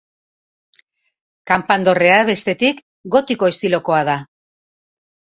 Kanpandorrea, bestetik, gotiko estilokoa da.